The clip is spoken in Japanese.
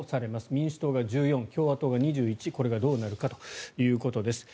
民主党が１４、共和党が２１これがどうなるかということです。